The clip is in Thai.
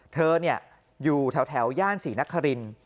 เธออยู่แถวย่านศรีนคริน